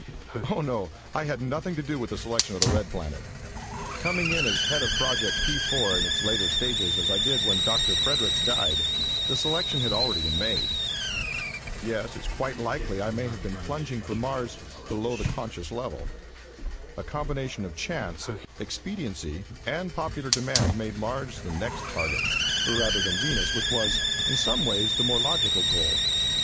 Oh, no, I had nothing to do with the selection of the Red Planet. Coming in as head of Project P 4 in its latter stages, as I did when Dr. Fredericks died, the selection had already been made. Yes, it's quite likely I may have been plugging for Mars below the conscious level. A combination of chance, expediency and popular demand made Mars the next target, rather than Venus, which was, in some ways, the more logical goal.